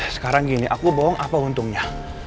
sekarang gini aku bohong apa untungnya